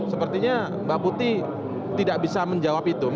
sepertinya mbak putih tidak bisa menjawab itu